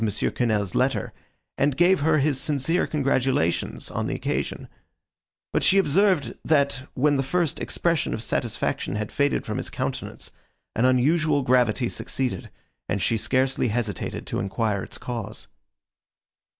Quesnel's letter, and gave her his sincere congratulations, on the occasion; but she observed, that, when the first expression of satisfaction had faded from his countenance, an unusual gravity succeeded, and she scarcely hesitated to enquire its cause.